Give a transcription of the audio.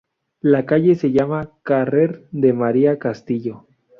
La calle se llama Carrer de María Castillo.